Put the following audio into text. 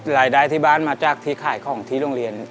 รายได้ที่บ้านมาจากที่ขายของที่โรงเรียน